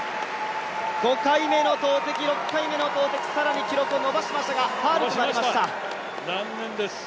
５回目の投てき、６回目の投てき、更に記録を伸ばしましたがファウルとなりました。